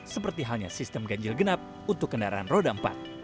seperti halnya sistem ganjil genap untuk kendaraan roda empat